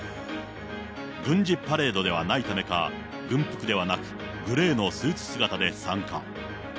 軍事パレードではないためか、軍服ではなく、グレーのスーツ姿で参加。